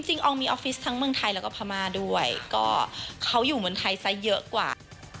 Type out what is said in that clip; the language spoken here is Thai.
อองมีออฟฟิศทั้งเมืองไทยแล้วก็พม่าด้วยก็เขาอยู่เมืองไทยซะเยอะกว่า